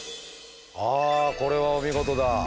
あこれはお見事だ。